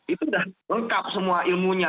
itu sudah lengkap semua ilmunya